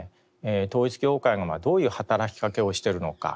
統一教会がどういう働きかけをしているのか。